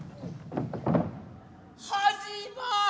始まり！